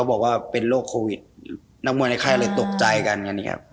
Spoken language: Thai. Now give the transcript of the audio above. บอกว่าเป็นโรคโควิดนักมวยในไข้เลยตกใจกันอย่างงี้ครับ